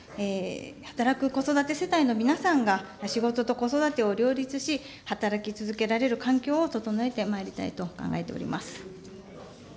働く子育て世帯の皆さんが、仕事と子育てを両立し、働き続けられる環境を整えてまいりたいと考えております。